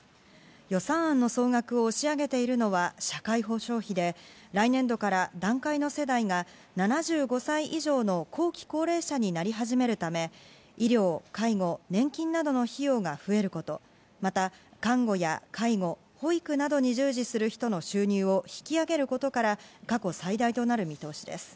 予算案の総額を押し上げているのは社会保障費で来年度から段階の世代が７５歳以上の後期高齢者になり始めるため、医療、介護、年金などの費用が増えること、また、看護や介護、保育などに従事する人の収入を引き上げることから、過去最大となる見通しです。